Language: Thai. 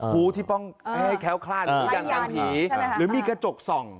ฮูที่ต้องให้แค้วคลั่นอย่างทางผีหรือมีกระจกส่อง